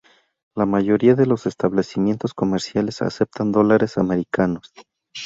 La mayoría de los establecimientos comerciales aceptan dólares americanos.